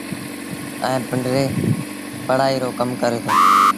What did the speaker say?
ائيٚݩ پنڊري پڙهئيٚ رو ڪم ڪري دو